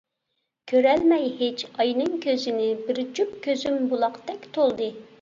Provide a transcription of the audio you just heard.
كۆرەلمەي ھېچ ئاينىڭ كۆزىنى، بىر جۈپ كۆزۈم بۇلاقتەك تولدى.